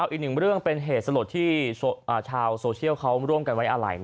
อีกหนึ่งเรื่องเป็นเหตุสลดที่ชาวโซเชียลเขาร่วมกันไว้อะไร